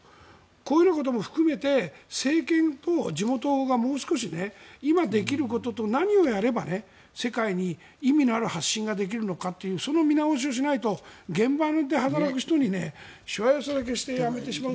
こういうことも含めて政権と地元がもう少し、今できることと何をやれば世界に意味のある発信ができるのかというその見直しをしないと現場で働く人にしわ寄せだけしてやめてしまうのは。